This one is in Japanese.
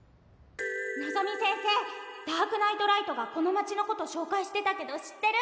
のぞみ先生「ダークナイトライト」がこの街のこと紹介してたけど知ってる？